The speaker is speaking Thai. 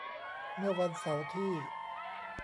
เมื่อวันเสาร์ที่